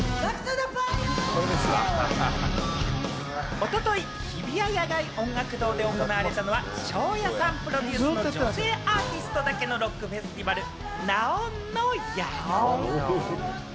一昨日、日比谷野外音楽堂で行われたのは、ＳＨＯＷーＹＡさんプロデュース、女性アーティストだけのロックフェスティバル・ＮＡＯＮのＹＡＯＮ。